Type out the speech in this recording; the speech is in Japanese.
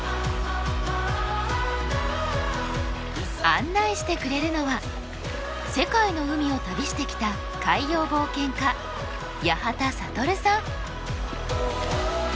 案内してくれるのは世界の海を旅してきた海洋冒険家八幡暁さん。